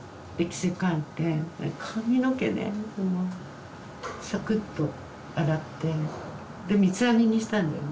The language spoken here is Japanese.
髪の毛ねさくっと洗ってで三つ編みにしたんだよね。